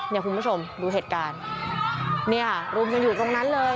คุณผู้ชมดูเหตุการณ์เนี่ยค่ะรุมกันอยู่ตรงนั้นเลย